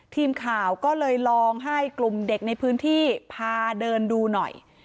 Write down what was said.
ทีมข่าวก็เลยลองให้กลุ่มเด็กในพื้นที่พาเดินดูหน่อย